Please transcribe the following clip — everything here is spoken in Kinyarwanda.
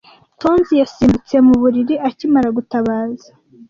Tonzi yasimbutse mu buriri akimara gutabaza.